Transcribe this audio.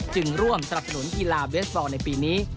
จึงร่วมสนับสนุนกีฬาเบสบอลในปีนี้